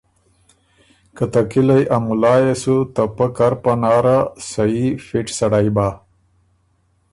که ته کِلئ ا مُلا يې سو ته پۀ کر پناره سھی فِټ سړئ بَۀ۔